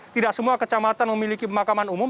tidak semua kecamatan memiliki pemakaman umum